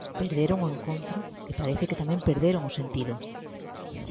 Perderon o encontro e parece que tamén perderon o sentido.